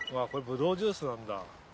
っこれぶどうジュースなんだ。